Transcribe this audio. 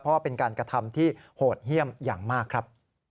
เพราะว่าเป็นการกระทำที่โหดเยี่ยมอย่างมากครับ